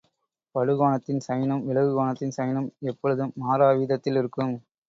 படுகோணத்தின் சைனும் விலகுகோணத்தின் சைனும் எப்பொழுதும் மாறா வீதத்தில் இருக்கும்.